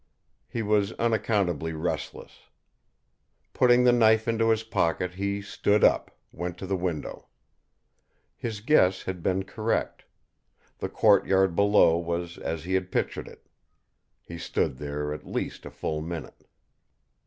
He was unaccountably restless. Putting the knife into his pocket, he stood up, went to the window. His guess had been correct. The courtyard below was as he had pictured it. He stood there at least a full minute.